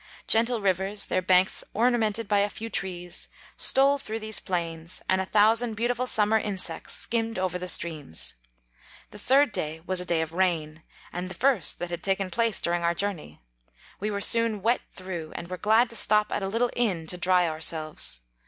Gentle rivers, their banks ornamented by a few trees, stole through these plains, and a thousand beautiful summer insects skimmed over the streams. The third day was a day of rain, and the first that had taken place during our journey. We were soon wet through, and were 31 glad to stop at a little inn to dry our selves.